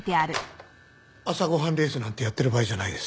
朝ごはんレースなんてやってる場合じゃないです。